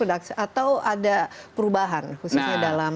atau ada perubahan khususnya dalam